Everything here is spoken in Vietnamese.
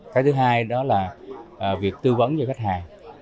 cái thứ hai đó là việc tư vấn cho khách hàng